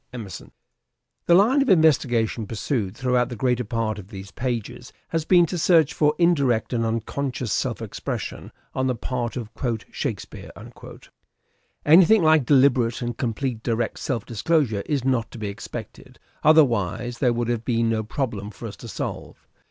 Autobio The line of investigation pursued throughout the nnfets. greater part of these pages has been to search for indirect and unconscious self expression on the part of " Shakespeare." Anything like deliberate and complete direct self disclosure is not to be expected : otherwise there would have been no problem for us to solve.